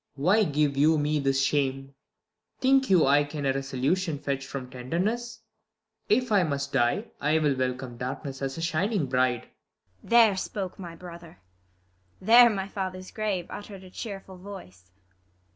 Claud. Why give you me this shame ? Think you I can a resolution fetch From tenderness 1 If I must die, I'll welcome darkness as a shining bride. ISAB. There spoke my brother: there my father's grave Utter'd a cheerful voice.